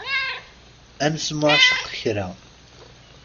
Ad nesmuɛceq kra.